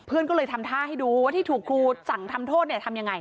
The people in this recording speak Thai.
เพื่อนก็เลยทำท่าให้ดูว่าที่ถูกครูสั่งทำโทษเนี่ยทำยังไง